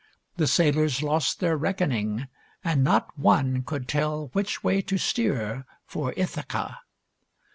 The sailors lost their reckoning, and not one could tell which way to steer for Ithaca.